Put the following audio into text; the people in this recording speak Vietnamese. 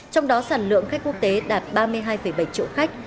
trong đó sản lượng khách quốc tế đạt ba mươi hai bảy triệu khách